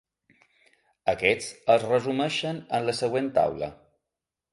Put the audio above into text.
Aquests es resumeixen en la següent taula.